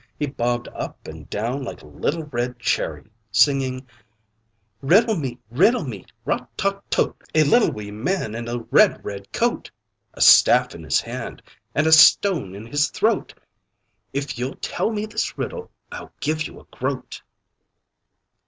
He bobbed up and down like a little red CHERRY, singing "Riddle me, riddle me, rot tot tote! A little wee man, in a red red coat! A staff in his hand, and a stone in his throat; If you'll tell me this riddle, I'll give you a groat."